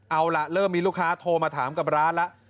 เอาล่ะเริ่มมีลูกค้าโทรมาถามกับร้านแล้ว